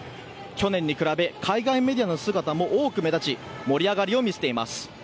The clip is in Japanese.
去年に比べ、海外メディアの姿も多く目立ち盛り上がりを見せています。